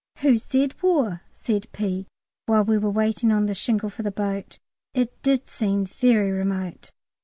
"Who said War?" said P. while we were waiting on the shingle for the boat; it did seem very remote.